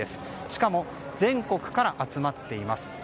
しかも全国から集まっています。